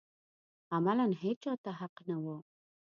عملاً هېچا ته حق نه و